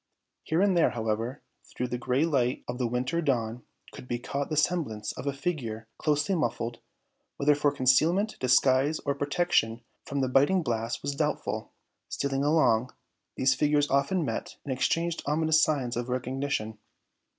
Here and there, however, through the gray light of the winter dawn, could be caught the semblance of a figure closely muffled, whether for concealment, disguise, or protection from the biting blast was doubtful, stealing along; these figures often met and exchanged ominous signs of recognition.